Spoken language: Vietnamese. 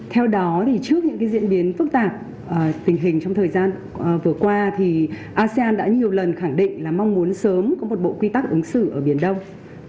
theo đó trước những diễn biến phức tạp tình hình trong thời gian vừa qua thì asean đã nhiều lần khẳng định là mong muốn sớm có một bộ quy tắc ứng xử ở biển đông